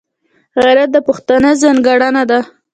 غیرت د پښتانه ځانګړنه ده